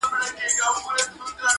آثر د خپل یوه نظر وګوره .